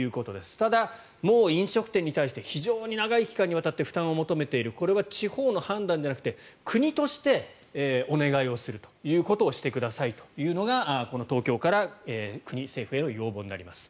ただ、もう飲食店に対して非常に長い期間にわたって負担を求めているこれは地方の判断じゃなくて国としてお願いをするということをしてくださいというのがこの東京から国、政府への要望になります。